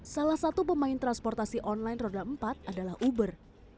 salah satu pemain transportasi online roda empat adalah uber